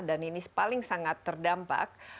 dan ini paling sangat terdampak